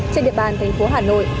trên địa bàn thành phố hà nội